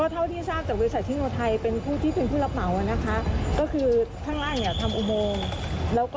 ว่ามันตรวจต่อกับทางที่อยู่ด้านหลังที่อาจจะซุกลงมา